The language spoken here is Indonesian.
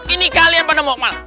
ini kalian pada mau kemana